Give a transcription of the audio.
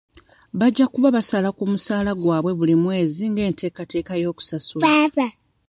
Bajja kuba basala ku musaala gwabwe buli mwezi ng'enteekateeka y'okusasula.